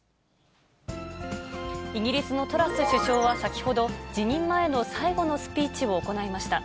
イギリスのトラス首相は先ほど、辞任前の最後のスピーチを行いました。